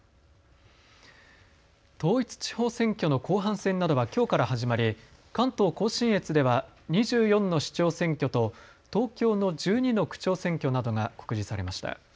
統一地方選挙の後半戦などはきょうから始まり関東甲信越では２４の市長選挙と東京の１２の区長選挙などが告示されました。